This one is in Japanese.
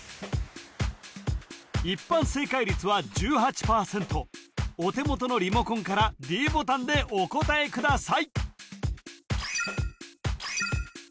一般正解率は１８％お手元のリモコンからｄボタンでお答えください